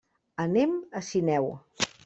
Anem a Sineu.